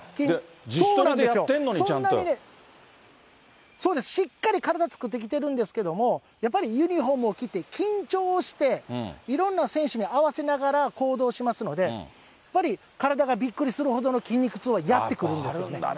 自主トレでやってるのに、そうです、しっかり体作ってきてるんですけど、やっぱりユニホームを着て、緊張して、いろんな選手に合わせながら行動しますので、やっぱり体がびっくりするほどの筋肉痛はやって来るんですよね。